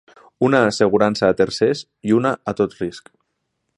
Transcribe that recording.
Una assegurança a tercers i una a tot risc.